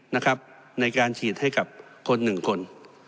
นะครับในการฉีดให้กับคนหนึ่งคน